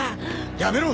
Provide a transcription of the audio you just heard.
やめろ！